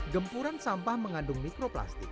gempuran sampah mengandung mikroplastik